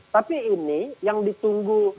tapi ini yang ditunggu